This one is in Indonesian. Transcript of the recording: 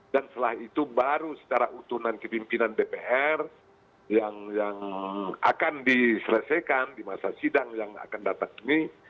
dan setelah itu baru secara utunan kepimpinan dpr yang akan diselesaikan di masa sidang yang akan datang ini